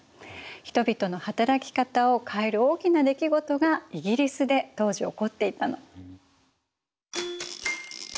人々の働き方を変える大きな出来事がイギリスで当時起こっていたの。